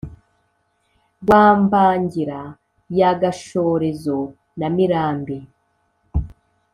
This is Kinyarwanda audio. rwa mbangira ya gashorezo na mirambi